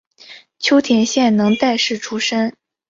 秋田县能代市出身。